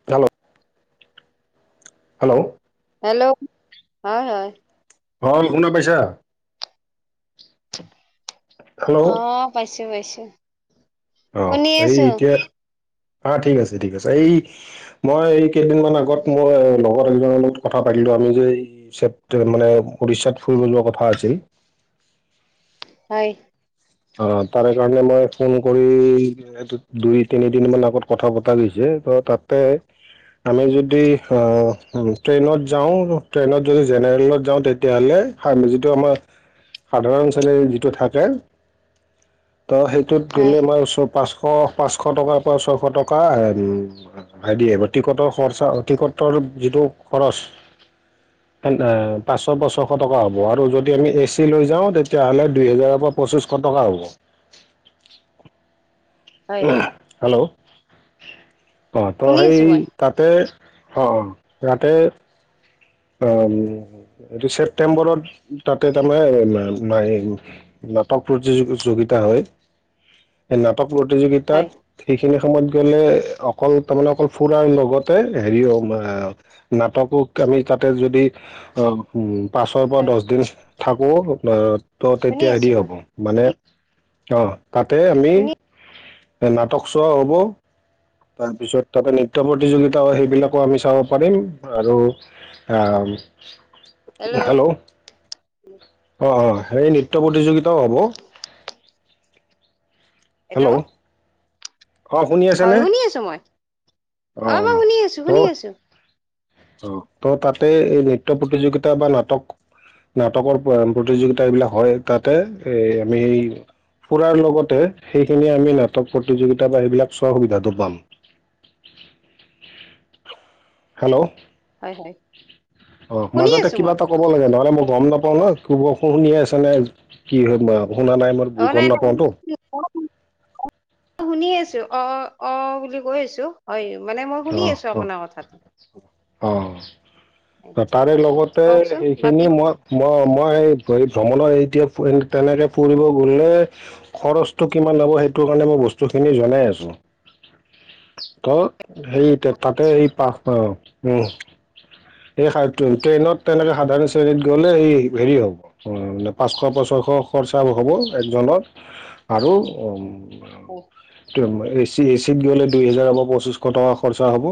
[inaudible] Hello. Hello হয় হয়। অল শুনা পাইছা? হেল্ল' অ পাইছো পাইছো। অ শুনি এই আছো এতিয়া অ ঠিক আছে, ঠিক আছে। এই মই এই কেইদিনমান আগত মই লগ জনৰ লগত কথা পাতিলো আমি যে এই ছেপ্টে মানে উৰিষ্যাত ফুৰিবলৈ যোৱা কথা আছিল হয়। অ তাৰে কাৰণে মই ফোন কৰি সেইটোত দুই তিনিদিন মান আগত কথা পতা গৈছে ত তাতে আমি যদি ট্ৰেইনত যাওঁ ট্ৰেইনত যদি জেনেৰেলত যাওঁ তেতিয়াহ'লে যিটো আমাৰ সাধাৰণ শ্ৰেণীৰ যিটো থাকে তো সেইটোত হয়। গ'লে আমাৰ পাঁচশ, পাঁচশ টকাৰ পৰা ছশ টকা [unintelligible] টিকটৰ খৰচা টিকটৰ যিটো খৰচ পাঁচশ বা ছশ টকা হ'ব আৰু যদি আমি এ চি লৈ যাওঁ তেতিয়াহ'লে দুই হেজাৰৰ ওপৰত পঁচিছশ টকা হ'ব। হয় হেল্ল'। অ ত শুনি সেই আছো মই তাতে অ তাতে অ এইটো ছেপটেম্বৰত তাতে তাৰমানে মা নাটক প্ৰতিযযোগিতা হয় সেই নাটক প্ৰতিযোগিতাত হয় সেইখিনি সময়ত গ'লে অকল তাৰমানে অকল ফুৰাৰ লগতে হেৰি অ নাটকক আমি তাতে যদি আহ পাঁচৰ পৰা হয় দহ দিন থাকো ত' শুনি তেতিয়া আছো হেৰি মই হ'ব মানে আহ তাতে আমি শুনি নাটক চোৱা হ'ব তাৰপিছত তাতে নৃত্য প্ৰতিযোগিতা হয় সেইবিলাকো আমি চাব পাৰিম আৰু হা হেল্ল'। অ অ সেই নৃত্য প্ৰতিযোগিতাও হ'ব হেল্ল'। অ' শুনি হয় আছেনে শুনি আছো মই। অ মই শুনি আছো শুনি আছো। ত' তাতে এই নৃত্য প্ৰতিযোগিতা বা নাটক নাটকৰ প্ৰতিযোগিতা বিলাক হয় তাতে এই আমি ফুৰাৰ লগতে সেইখিনি আমি নাটক প্ৰতিযোগিতা বা সেইবিলাক চোৱা সুবিধাটো পাম। হেল্ল'। হয় হয়। অ শুনি মাজতে আছো কিবা মই এটা ক'ব লাগে নহ'লে মই গম নাপাও ন কব শুনিয়ে আছে নে কি হয় শুনা নাই মই অ গম নাই নাই নাপাওঁতো [unintelligible] অ শুনি আছো, অ অ বুলি কৈ আছো। হয় মানে মই শুনি অ আছোঁ অ আপোনাৰ কথাট। অ তাৰে লগতে কওকচোন বাকী সেইখিনি মই মই মই ভ্ৰমণৰ এতিয়া তেনেকে ফুৰিব গলে খৰচটো কিমান লব সেইটোৰ কাৰণে মই বস্তু খিনি জনাই আছোঁ। ত সেই তাতে এই পাঁচটা অ উম। সেই সাৰটো ট্ৰেইনত তেনেকে সাধাৰণ শ্ৰেণীত গ'লে হে হেৰি হ'ব। পাঁচশ [unintelligible] খৰচা হ'ব একজনৰ আৰু অ টোৱে মই এ চি এ চিত দিও নে দুই হেজাৰ হব পঁচিশ টকা খৰচা হ'ব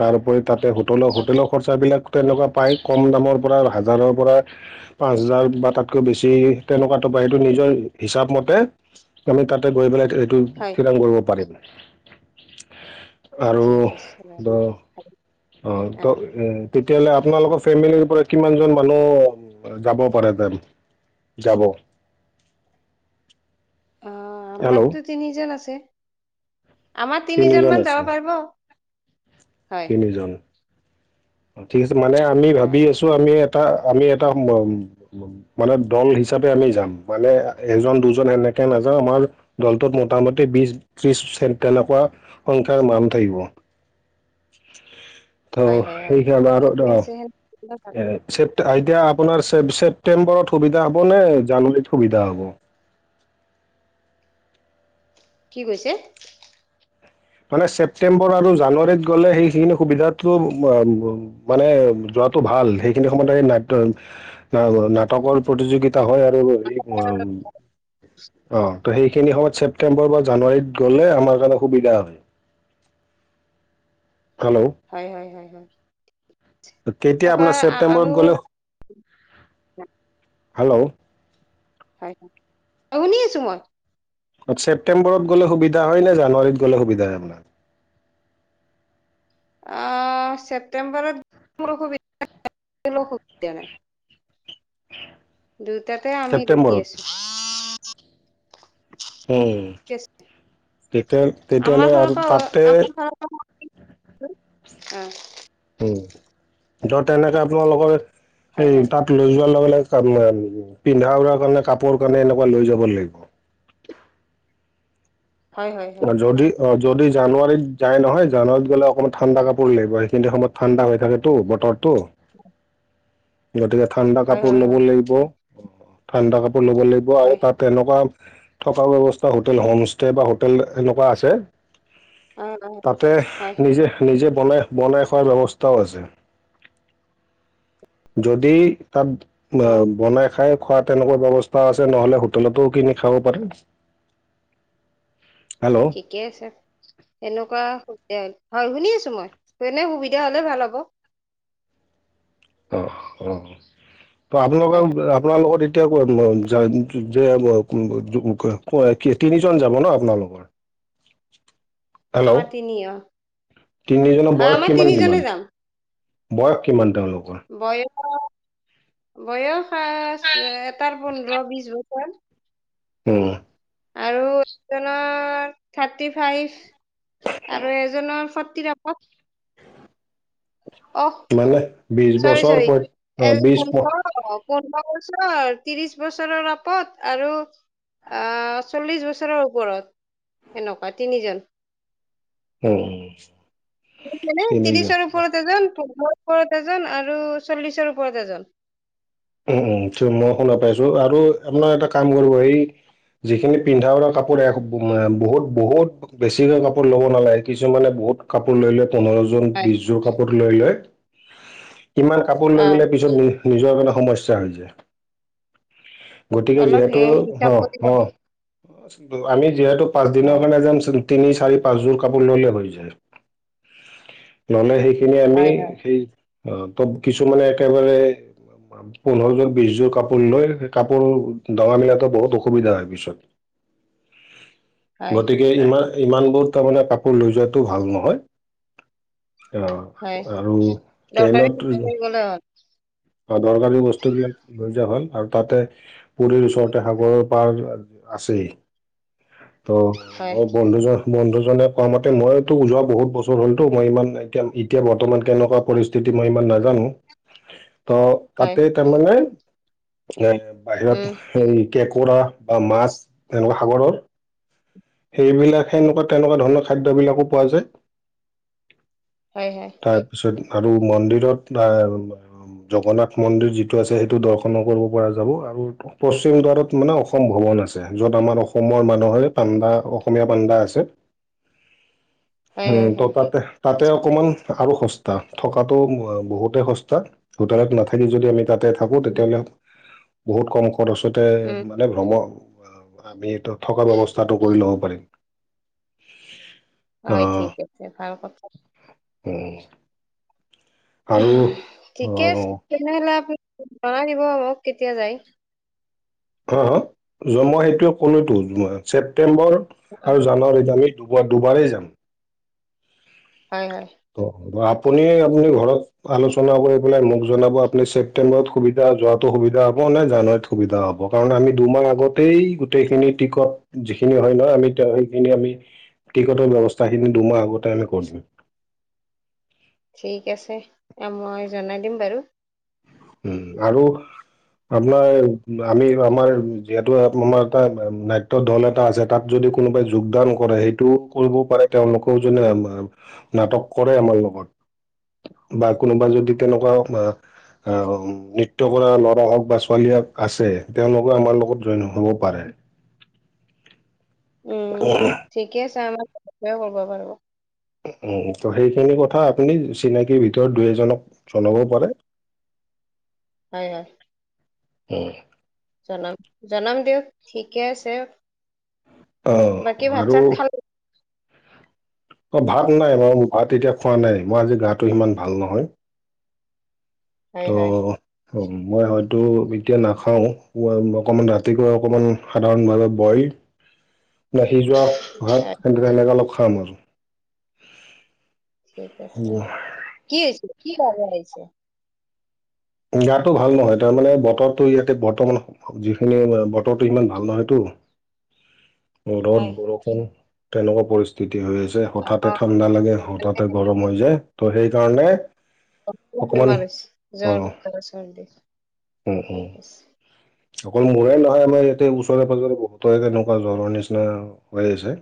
তাৰওপৰি তাতে হোটল হোটেলৰ খৰ চা বিলাক তেনেকুৱা পায় কম দামৰ পৰা হাজাৰৰ পৰা পাঁচ হাজাৰ বা তাতকৈ বেছি তেনেকুৱাতটো পায়, সেইটো নিজৰ হিচাপ মতে আমি তাতে গৈ পেলাই এইটো হয় থিৰাং কৰিব পাৰিম। আৰু ঠিক আছে দ অ ত এ তেতিয়ালে আপোনালোকৰ ফেমিলিৰ পৰা কিমানজন মানুহ যাব পাৰেহেতেন যাব? অ হেল্ল' আমাৰতো তিনিজন আছে, আমাৰ তিনিজন তিনিজনমান আছে যাব পাৰিব। হয় তিনিজন ঠিক আছে মানে আমি ভাবি অ' আছো আমি এটা আমি এটা সোমাম। মানে দল হিচাপে আমি যাম, মানে এজন দুজন এনেকে নাযাও আমাৰ দলটোত মোটামুটি বিশ ত্ৰিশ তেনেকুৱা সংখ্যাৰ মানুহ থাকিব। ত হয় হয় হয় সেইকাৰণে আৰু ঠিকে আছে সেনেকুৱা ধৰক এ চেট এতিয়া আপোনাৰ ছে ছেপ্তেম্বৰত সুবিধা হ'ব নে জানুৱাৰীত সুবিধা হ'ব? কি কৈছে? মানে ছেপটেম্বৰ আৰু জানুৱাৰীত গ'লে সেইখিনি সুবিধাটো [unintelligible] মানে যোৱাটো ভাল, সেইখিনি সময়ত আহি নাট্য নাটকৰ প্ৰতিযোগি তা হয় আৰু [unintelligible] অ ত সেইখিনি সময়ত ছেপ্তেম্বৰ বা জানুৱাৰীত গ'লে আমাৰ কাৰণে সুবিধা হয়। হাল্ল হয় হয় হয় হয়। তেতিয়া তেনেকুৱা আপোনাৰ আৰু ছেপ্টেম্বৰত গ'লে, হেল্ল। হয়, অ শুনি আছোঁ মই। ছেপ্তেম্বৰত গ'লে সুবিধা হয় নে জানুৱাৰীত গলে সুবিধা হয় আপোনাৰ? আ ছেপ্টেম্বৰত মোৰ অসুবিধা অসুবিধা নাই। দুইটাতে আমি ৰেডি ছেপ্টেম্বৰত আছোঁ। উম। ঠিক আছে। তেতিয়া তেতিয়াহলে আৰু তাতে [unintelligible] আহ। উম ত তেনেকে আপোনালোকৰ হয় এই হয় তাত লৈ যোৱাৰ লগে লগে তাৰমানে পিন্ধা উৰাৰ কাৰণে কাপোৰ কাৰণে এনেকুৱা লৈ যাব লাগিব। হয় হয় অ হয় যদি অ যদি জানুৱাৰীত যায় নহয় জানুৱাৰীত গ'লে অকমান ঠাণ্ডা কাপোৰ লাগিব, এইখিনি সময়ত ঠাণ্ডা হৈ থাকেতো বতৰটো গতিকে ঠাণ্ডা হয় কাপোৰ হয় ল'ব হয় লাগিব। ঠাণ্ডা কাপোৰ ল'ব লাগিব আৰু হয় তাত এনেকুৱা থকা ব্যৱস্থা হোটেল হোম ষ্টে বা হ হোটেল এনেকুৱা আছে, অ' অ' তাতে হয় নিজে নিজে বনাই - বনাই খোৱাৰ ব্যৱস্থাও আছে। যদি তাত আম অ' বনাই খাই খোৱা তেনেকুৱা ব্যৱস্থা আছে, নহলে হোটেলতো কিনি খাব পাৰে। হেল্ল'? অ', ঠিকে আছে, তেনেকুৱা সুবিধা হয় শুনি আছোঁ মই তেনে সুবিধা হ'লে ভাল হ'ব। অহ অ, ত আপোনালোকৰ অ আপোনাৰ লগত এ এতিয়া [inaudible] তিনিজন যাব ন আপোনালোক? কোৱা? আমাৰ তিনি অ। তিনিজনৰ হয় বয়স আমাৰ কিমান তিনিজনে কিমান? যাম। বয়স কিমান তেওঁলোকৰ? বয়স, বয়স খাচ এটাৰ পোন্ধৰ বিশ বছৰ উম। আৰু এজনৰ থাৰ্টি ফাইভ আৰু এজনৰ ফৰ্টিৰ আপ অহ মানে বিশ চৰি বছৰ চৰি অ', বিশ এজনৰ [inaudible] অ পোন্ধৰ বছৰ, ত্ৰিশ বছৰৰ আপদ আৰু আ চল্লিশ বছৰৰ ওপৰত, সেনেকুৱা তিনিজন। উম। মানে তিনিজন ত্ৰিশৰ ওপৰত এজন, পোন্ধৰৰ ওপৰত এজন আৰু চল্লিশৰ ওপৰত এজন। উম উম থু মই শুনা পাইছো আৰু আপোনাৰ এটা কাম কৰিব এই যিখিনি পিন্ধা উৰা কাপোৰ এ ব উম বহুত বহুত বেছিকৈ কাপোৰ ল'ব নালাগে, কিছুমানে বহুত কাপোৰ লৈ লৈ, পোন্ধৰ যোৰ, হয় বিশ যোৰ কাপোৰ লৈ লয়, ইমান কাপোৰ লৈ অ গলে পিছত নি নিজৰ কাৰনে সমস্যা হৈ যায়। গতিকে অলপ হে যিহেতু হ হিচাপ কৰি হ লওক। আমি যিহেতু পাঁচদিনৰ হয় কাৰণে যামচোন তিনি, চাৰি, পাঁচযোৰ কাপোৰ ল'লে হৈ যায়। ল'লে সেইখিনি আমি হয় হয় সেই ত ত কিছুমানে একেবাৰে পোন্ধৰ যোৰ, বিশ যোৰ কাপোৰ লৈ সেই কাপোৰ দঙা মিলাতো বহুত অসুবিধা হয় পিছত। [unintelligible] হয় গতিকে ইমান ইমানবোৰ তাৰমানে কাপোৰ লৈ যোৱাটো ভাল নহয়। অ হয় আৰু দৰকাৰী ট্ৰেইনত গলে হল। বা দৰকাৰী বস্তুবিলাক লৈ যোৱা ভাল আৰু তাতে পুৰীৰ ওচৰতে সাগৰৰ পাৰ আছেই, ত হয় মই বন্ধুজন বন্ধুজনে কোৱা মতে মইতো যোৱা বহুত বছৰ হ'লতো মই ইমান এতিয়া ই তিয়া বৰ্তমান কেনেকুৱা পৰিস্থিতি মই ইমান নাজানো? অ হয় তাতে তাৰমানে, এ উম, বাহিৰত সেই কেঁকোৰা বা মাছ সেনেকুৱা সাগৰৰ সেইবিলাক সেনেকুৱা তেনেকুৱা ধৰণৰ খাদ্যবিলাকো পোৱা যায়। হয় হয়। তাৰপিছত আৰু মন্দিৰত বা জগন্নাথ মন্দিৰ যিটো আছে সেইটো দৰ্শনো কৰিব পৰা যাব আৰু পশ্চিম দ্বাৰত মানে অসম ভৱন আছে, যত আমাৰ অসমৰ মানুহে পাণ্ডা, অসমীয়া পাণ্ডা আছে [inaudible] হয়, উম, হয়, ত হয়। তাতে - তাতে অকমান আৰু সস্তা থকাটো ব বহুতে সস্তা হোটেলত নাথাকি যদি আমি তাতে থাকো তেতিয়াহ'লে বহুত কম খৰচতে উম, মানে ভ্ৰমক, আমিটো থকা ব্যৱস্থাটো কৰি ল'ব পাৰিম। [inaudible] হয় ঠিক আছে, ভাল কথা। উম আৰু অ ঠিকে আছে, তেনেহলে আপুনি জনাই দিব আকৌ কেতিয়া যায়? হ হ‌, মই সেইটোৱে ক'লোতো মই ছেপ্টেম্বৰ অ, আৰু জানুৱাৰীত আমি দুবাৰ দুবাৰেই যাম। হয় হয়। ত আপুনি আপুনি ঘৰত আলোচনা কৰি পেলাই মোক জনাব, আপুনি ছেপ্তেম্বৰত সুবিধা যোৱাটো সুবিধা হ'ব নে জানুৱাৰীত সুবিধা হ'ব, কাৰণ আমি দুমাহ আগতেই গোটেইখিনি টিকট যিখিনি হয় নহয় আমি সেইখিনি আমি টিকটৰ ব্যৱস্থাখিনি দুমাহ আগতে আমি কৰিলোঁ। ঠিক আছে মই জনাই দিম বাৰু। উম, আৰু আপোনাৰ আমি আমাৰ যিহেতু আমাৰ এটা নাট্য দল এটা আছে। তাত যদি কোনোবাই যোগদান কৰে, সেইটোও কৰিব পাৰে তেওঁলোকেও যোনে নাটক কৰে আমাৰ লগত, বা কোনোবা যদি তেনেকুৱাও বা অঁ নৃট্য কৰা ল'ৰা হওক বা ছোৱালী হক আছে, তেওঁলোকে আমাৰ লগত জইন হ'ব পাৰে। উম ঠিকে আছে, আমাক স কৰিব পাৰোঁ। উম ত' সেইখিনি কথা আপুনি চিনাকিৰ ভিতৰত দুই এজনক জনাব পাৰে। হয় হয়। উম। জনাম জনাম দিয়ক ঠিকে আছে, বাকী ভাত আৰু চাত খাল অ ভাত নাই বাৰু ভাত এতিয়া খোৱা নাই, মই আজি গাটো সিমান ভাল নহয়। হয়, অ হয়। অ, মই হয়তো এতিয়া নাখাওঁ অকমান ৰাতিপুৱা অকমান সাধাৰণভাৱে বইল না সিযোৱা ভাত হয়, সেনে সেনেকে অলপ খাম আৰু। ঠিক আছে কি হৈছে কি ভ ভহ বাজিছে? গাতো ভাল নহয়, তাৰমানে বতৰটো ইয়াতে বৰ্তমান যিখিনি আমা বতৰটো সিমান ভাল নহয়তটো। ৰদ হয়। বৰষুণ তেনেকুৱা পৰিস্থিতি হৈ আছে, হঠাতে অ', ঠাণ্ডা লাগে হঠাতে মানে গৰম হৈ যায় ত' সেইকাৰণে আকৌ অকমান বেমাৰ হৈছে অ জ্বৰ আৰু চৰ্দি, উম উম ঠিক আছে। অকল মোৰে নহয় আমাৰ ইয়াতে ওচৰে পাজৰে বহুত সেনেকুৱা জ্বৰৰ নিচিনা হৈ আছে।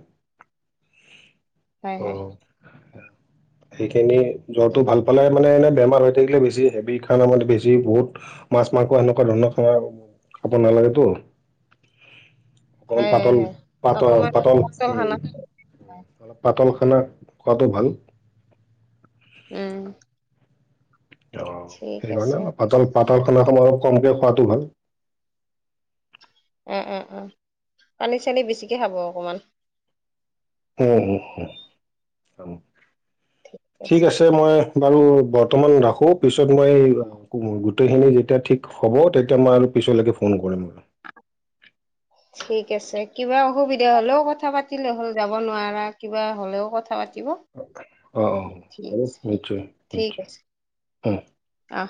হয় অ হয় সেইখিনি জ্বৰটো ভাল ফালে মানে এনেই বেমাৰ হৈ থাকিলে বেছি হেভিত খানা মানে বেছি বহুত মাছ মাৰংস সেনেকুৱা ধৰণৰ খানা খাব নালাগেতো। অকমান হয় হয় পাতল হয় পাতল অকমান পাতল খানা উম। খাব। অলপ পাতল খানা খোৱাটো ভাল। উম অ ঠিক সেইকাৰণে আছে অলপ পাতল পাতল খানা খানাটো অলপ কমকে খোৱাটো ভাল। উম উম উম, পানী চানী বেছিকে খাব অকণমান। হুম উম, ঠিক আছে মই বাৰু বৰ্তমান ৰাখো পিছত মই গোটেইখিনি যেতিয়া ঠিক হ'ব তেতিয়া মই আৰু পিছলৈকে ফোন কৰিম [unintelligible] ঠিক আছে কিবা অসুবিধা হ'লেও কথা পাতিলে হ'ল যাব নোৱাৰা কিবা হ'লেও কথা পাতিব অ অ ঠিক হব আছে নিশ্চয় নিশ্চয় অ অ